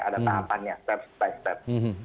ada tahapannya step by step